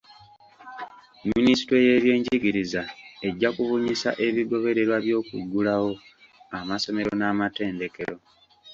Minisitule y'ebyenjigiriza ejja kubunyisa ebigobererwa by'okuggulawo amasomero n'amatendekero.